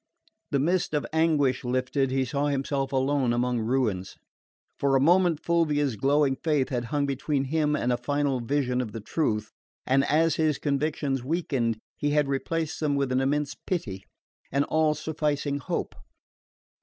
The mist of anguish lifted, he saw himself alone among ruins. For a moment Fulvia's glowing faith had hung between him and a final vision of the truth; and as his convictions weakened he had replaced them with an immense pity, an all sufficing hope.